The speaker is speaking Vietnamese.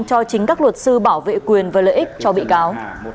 cho chính các luật sư bảo vệ quyền và lợi ích cho bị cáo